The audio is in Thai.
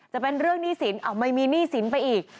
จะเป็นเรื่องหนี้สินไม่มีหนี้สินไปอีก